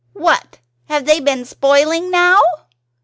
What have they been spoiling now?"